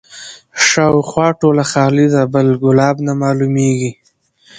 شاوخوا ټوله خالي ده بل ګلاب نه معلومیږي